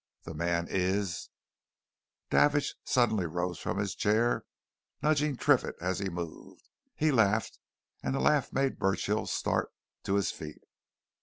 The man is " Davidge suddenly rose from his chair, nudging Triffitt as he moved. He laughed and the laugh made Burchill start to his feet.